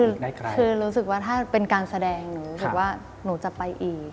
คือรู้สึกว่าถ้าเป็นการแสดงหนูรู้สึกว่าหนูจะไปอีก